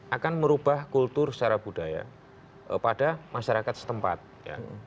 akan merubah kultur secara budaya pada masyarakat setempat ya